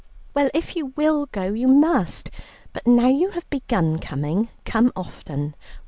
"Well, if you will go, you must. But now you have begun coming, come often.